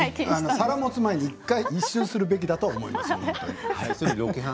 皿を持つ前に１周することだと思います。